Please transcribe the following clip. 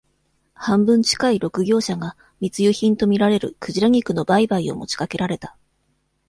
半分近い、六業者が、密輸品とみられる、鯨肉の売買を持ちかけられた。